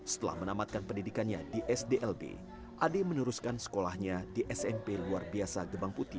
setelah menamatkan pendidikannya di sdlb ade meneruskan sekolahnya di smp luar biasa gebang putih